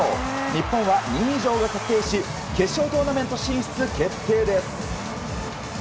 日本は２位以上が確定し決勝トーナメント進出決定です。